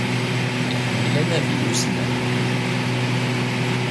Iḥemmel anadi ussnan